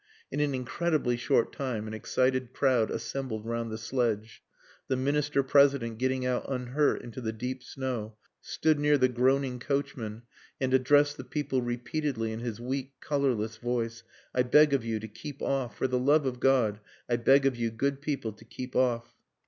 In an incredibly short time an excited crowd assembled round the sledge. The Minister President, getting out unhurt into the deep snow, stood near the groaning coachman and addressed the people repeatedly in his weak, colourless voice: "I beg of you to keep off: For the love of God, I beg of you good people to keep off."